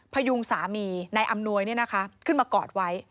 พยุงสามีในอำนวยนี่นะคะขึ้นมากอดไว้